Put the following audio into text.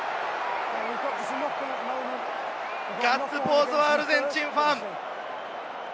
ガッツポーズはアルゼンチンファン。